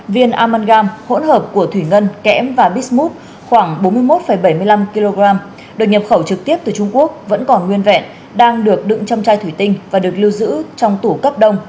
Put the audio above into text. viên amalgam hỗn hợp của thủy ngân kẽm và bitmood khoảng bốn mươi một bảy mươi năm kg được nhập khẩu trực tiếp từ trung quốc vẫn còn nguyên vẹn đang được đựng trong chai thủy tinh và được lưu giữ trong tủ cấp đông